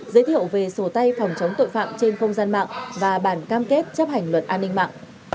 giới thiệu về sổ tay phòng chống tội phạm trên không gian mạng và bản cam kết chấp hành luật an ninh mạng